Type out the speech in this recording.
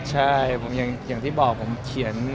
ใช่อย่างที่บอกผมเขียน